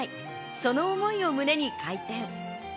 その思いを胸に開店。